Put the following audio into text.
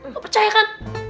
kau percaya kan